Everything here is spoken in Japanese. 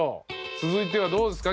続いてはどうですか？